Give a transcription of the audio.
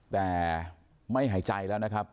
แต่ไม่หายใจแล้วนะครับ